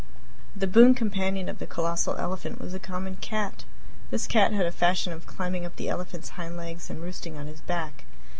The boon companion of the colossal elephant was a common cat! This cat had a fashion of climbing up the elephant's hind legs and roosting on his back.